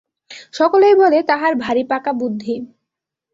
সকলেই বলে তাহার ভারি পাকা বুদ্ধি।